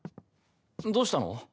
どうしたの？